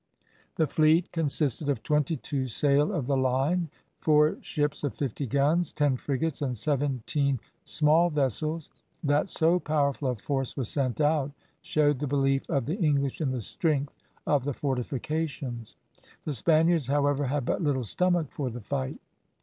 The fleet consisted of twenty two sail of the line, four ships of fifty guns, ten frigates, and seventeen small vessels. That so powerful a force was sent out, showed the belief of the English in the strength of the fortifications. The Spaniards, however, had but little stomach for the fight.